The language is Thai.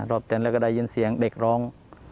รอบเต้นแล้วก็ได้ยินเสียงเด็กร้อง